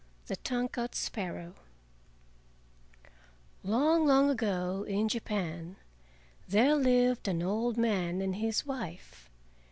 THE TONGUE CUT SPARROW Long, long ago in Japan there lived an old man and his wife.